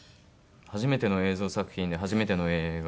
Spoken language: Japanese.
初めての映像作品で初めての映画で。